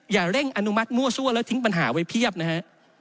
อย่าเร่งอนุมัติมั่วซั่วแล้วทิ้งปัญหาไว้เพียบนะฮะ